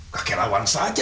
kakek lawan saja